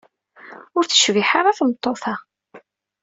Ur tecbiḥ ara tmeṭṭut-a.